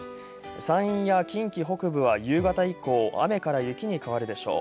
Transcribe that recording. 山陰や近畿北部は夕方以降雨から雪に変わるでしょう。